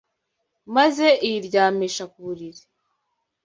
maze ayiryamisha ku buriri